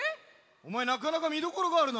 おまえなかなかみどころがあるな。